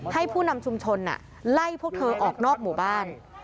ผู้นำชุมชนไล่พวกเธอออกนอกหมู่บ้าน